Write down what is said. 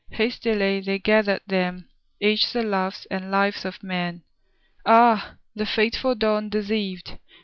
Hastily they gathered then Each the loves and lives of men. Ah, the fateful dawn deceived!